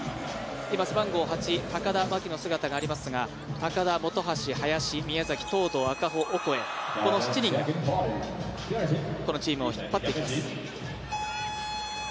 今、背番号８高田真希の姿がありますが高田、本橋、林、宮崎、東藤、赤穂、オコエの７人がこのチームを引っ張っていきます。